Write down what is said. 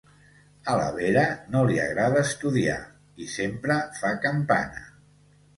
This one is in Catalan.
A la Vera no li agrada estudiar i sempre fa campana: